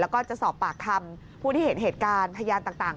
แล้วก็จะสอบปากคำผู้ที่เห็นเหตุการณ์พยานต่าง